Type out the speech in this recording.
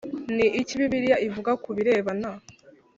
Ni iki Bibiliya ivuga ku birebana